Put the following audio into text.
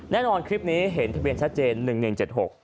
แน่นอนคำนี้เห็นทะเบียนภาคช่าเจน๑๑๗๖